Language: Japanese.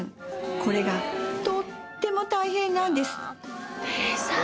これがとっても大変なんです